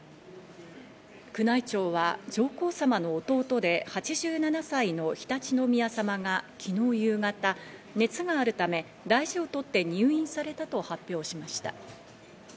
宮内庁は上皇さまの弟で８７歳の常陸宮さまが、昨日夕方、熱があるため大事を取って、入院されたと発表しました。